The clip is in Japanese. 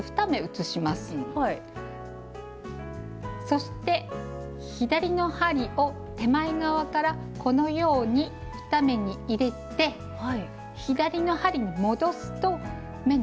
そして左の針を手前側からこのように２目に入れて左の針に戻すと目の順番が変わります。